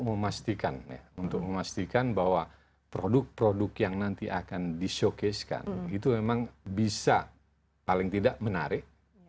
oke kurasi itu kan kegiatan untuk memastikan bahwa produk produk yang nanti akan dishowcase kan itu memang bisa paling tidak menarik